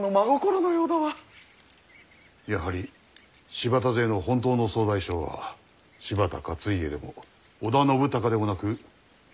やはり柴田勢の本当の総大将は柴田勝家でも織田信孝でもなくお市様かと。